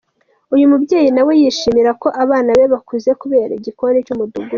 Uyu mubyeyi nawe yishimira ko abana be bakuze kubera igikoni cy’umudugudu.